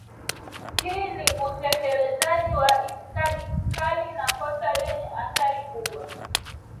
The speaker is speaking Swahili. Hii ni utekelezaji wa itikadi kali na kosa lenye athari kubwa